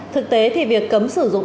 thực tế thì việc cấm sử dụng